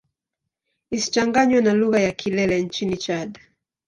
Isichanganywe na lugha ya Kilele nchini Chad.